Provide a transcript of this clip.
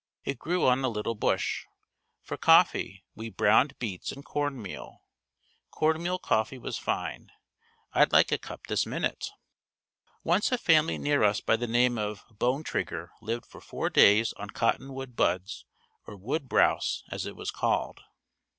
It grew on a little bush. For coffee we browned beets and corn meal. Corn meal coffee was fine. I'd like a cup this minute. Once a family near us by the name of Bonetrigger lived for four days on cottonwood buds or wood browse as it was called.